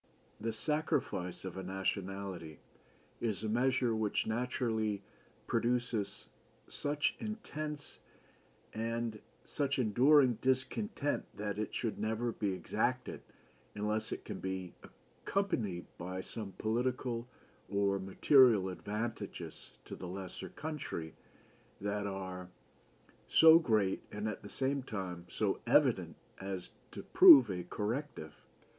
The sacrifice of a nationality is a measure which naturally produces such intense and such enduring discontent that it never should be exacted unless it can be accompanied by some political or material advantages to the lesser country that are so great and at the same time so evident as to prove a corrective.